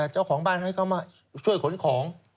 เจ้าของบ้านให้เขามาช่วยขนของ